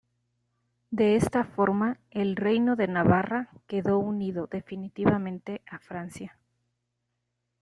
De esta forma, el reino de Navarra quedó unido definitivamente a Francia.